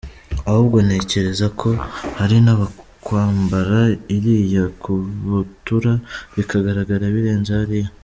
Ahubwo, ntekereza ko hari n’abakwambara iriya kabutura bikagaragara birenze hariya.